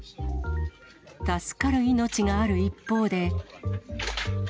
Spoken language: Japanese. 助かる命がある一方で。